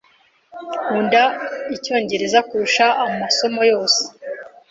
Nkunda Icyongereza kurusha amasomo yose.